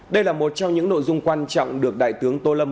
đây là một trong những nội dung quan trọng được đại tướng tô lâm